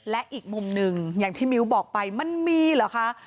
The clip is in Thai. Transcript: และอีกมุมหนึ่งอย่างที่มิ้วบอกไปมันมีเหรอคะ